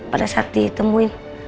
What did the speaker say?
pada saat ditemuin